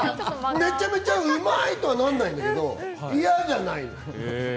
めちゃめちゃうまいとはなんないんだけど、嫌じゃないの。